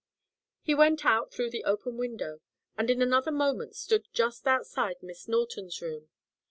He went out through the open window, and in another moment stood just outside Miss Norton's room.